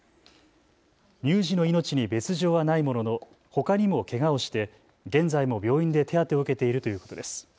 乳児の命に別状はないもののほかにもけがをして現在も病院で手当てを受けているということです。